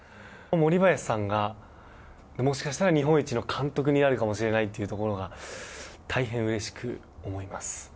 森林さんがもしかしたら日本一の監督になるかもしれないというところが大変、うれしく思います。